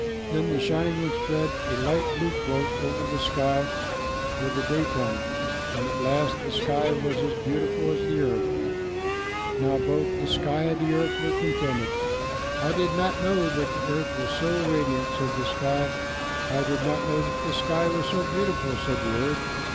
Then the Shining One spread a light blue cloak over the sky for the daytime, and at last the sky was as beautiful as the earth. Now both sky and earth were contented. "I did not know that the earth was so radiant," said the sky. "I did not know that the sky was so beautiful," said the earth.